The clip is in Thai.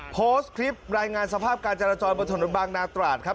โพสต์คลิปรายงานสภาพการจราจรบนถนนบางนาตราดครับ